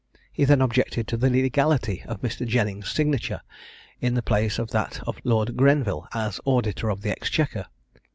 He then objected to the legality of Mr. Jenning's signature, in the place of that of Lord Grenville, as Auditor of the Exchequer.